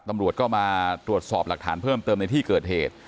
ตำรวจก็มาตรวจสอบหลักฐานเพิ่มเติมในที่เกิดเหตุ